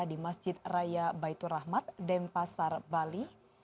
di masjid raya baitur rahmat denpasar bali